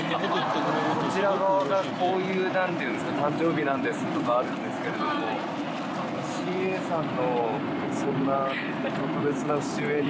こちらのこういう何ていうんですか「誕生日なんです」とかあるんですけれどもＣＡさんのそんな。